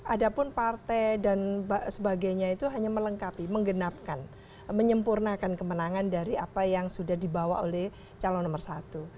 ada pun partai dan sebagainya itu hanya melengkapi menggenapkan menyempurnakan kemenangan dari apa yang sudah dibawa oleh calon nomor satu